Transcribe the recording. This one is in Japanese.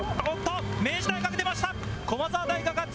明治大学、出ました。